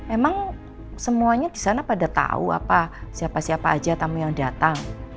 emang semuanya di sana pada tahu apa siapa siapa aja tamu yang datang